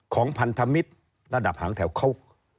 พันธมิตรระดับหางแถวเขา